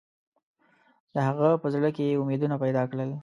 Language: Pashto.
د هغه په زړه کې یې امیدونه پیدا کړل.